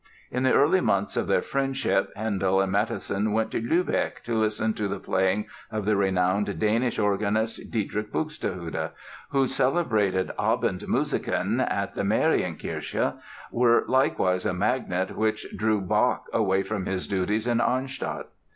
In the early months of their friendship Handel and Mattheson went to Lübeck to listen to the playing of the renowned Danish organist, Dietrich Buxtehude, whose celebrated Abendmusiken at the Marienkirche were likewise a magnet which drew Bach away from his duties in Arnstadt.